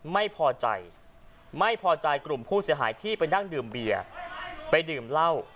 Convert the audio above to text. ไม่พอใจไม่พอใจกลุ่มผู้เสียหายที่ไปนั่งดื่มเบียร์ไปดื่มเหล้า